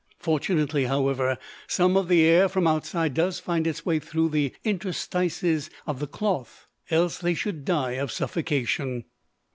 Fortunately however, some of the air from outside does find its way through the interstices of the cloth, else they should die of suffocation.